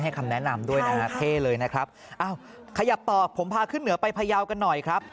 คำแนะนำด้วยนะฮะเท่เลยนะครับอ้าวขยับต่อผมพาขึ้นเหนือไปพยาวกันหน่อยครับ